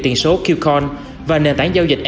tiền số qcon và nền tảng giao dịch